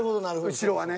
後ろはね。